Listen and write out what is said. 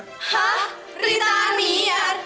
hah ritar miar